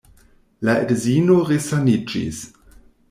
La edzino resaniĝis.